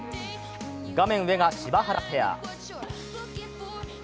画面上が柴原ペア。